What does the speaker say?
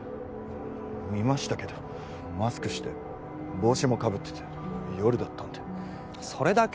見ましたけどマスクして帽子もかぶってて夜だったんでそれだけ？